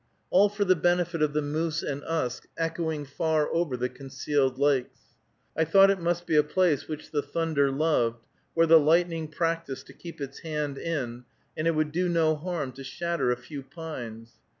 All for the benefit of the moose and us, echoing far over the concealed lakes. I thought it must be a place which the thunder loved, where the lightning practiced to keep its hand in, and it would do no harm to shatter a few pines.